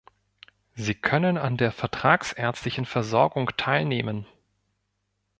Sie können an der vertragsärztlichen Versorgung teilnehmen.